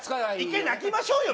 １回泣きましょうよ